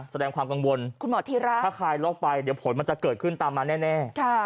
แสดงความกังวลคุณหมอธิรักษ์ถ้าใครล๊อคไปเดี๋ยวผลมันจะเกิดขึ้นตามมาแน่แน่ค่ะ